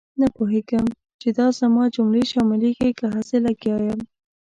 نه پوهېږم چې دا زما جملې شاملېږي که هسې لګیا یم.